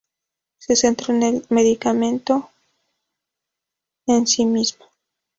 Se centra en el medicamento en sí mismo.